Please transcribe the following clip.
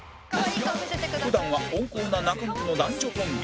普段は温厚な中野との男女コンビ